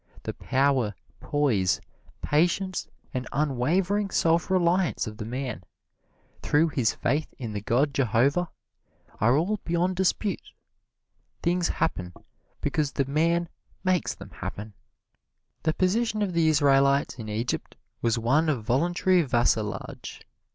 The power, poise, patience and unwavering self reliance of the man, through his faith in the god Jehovah, are all beyond dispute. Things happen because the man makes them happen. The position of the Israelites in Egypt was one of voluntary vassalage.